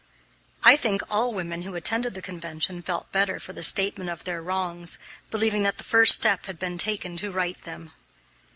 I think all women who attended the convention felt better for the statement of their wrongs, believing that the first step had been taken to right them.